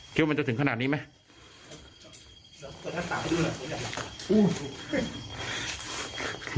ว่ามันจะถึงขนาดนี้ไหม